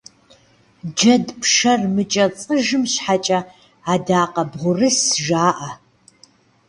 Джэд пшэр мыкӏэцыжым щхьэкӏэ адакъэбгъурыс жаӏэ.